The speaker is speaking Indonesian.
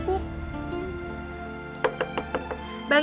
ya itu dong